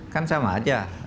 kan sama aja